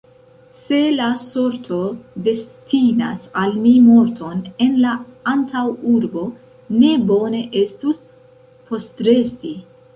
Se la sorto destinas al mi morton en la antaŭurbo, ne bone estus postresti.